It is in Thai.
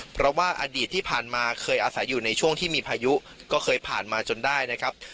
เพราะว่าอดีตที่ผ่านมาเคยอาศัยอยู่ในช่วงที่มีพายุก็เคยผ่านมาจนได้นะครับ